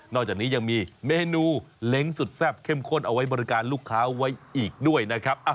จากนี้ยังมีเมนูเล้งสุดแซ่บเข้มข้นเอาไว้บริการลูกค้าไว้อีกด้วยนะครับ